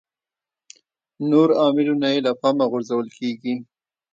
نور عاملونه یې له پامه غورځول کېږي.